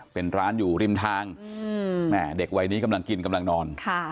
เป็นร้านอยู่ริมทางแม่เด็กวัยนี้กำลังกินกำลังนอน